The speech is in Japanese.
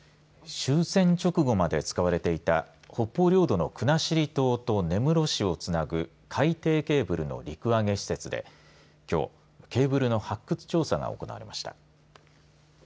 終戦直後まで使われていた北方領土の国後島と根室市をつなぐ海底ケーブルの陸揚げ施設できょう、ケーブルの発掘調査が行われました。